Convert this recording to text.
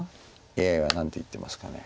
ＡＩは何て言ってますか。